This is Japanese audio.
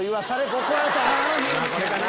これかな。